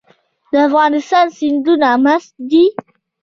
د افغانستان سیندونه مست دي